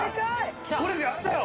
これやったよ！